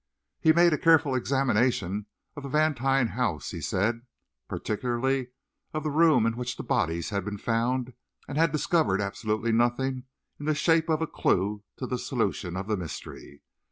He had made a careful examination of the Vantine house, he said, particularly of the room in which the bodies had been found, and had discovered absolutely nothing in the shape of a clue to the solution of the mystery.